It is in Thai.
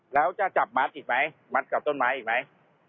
แล้วจะจับมัดอีกไหมมัดกับต้นไม้อีกไหม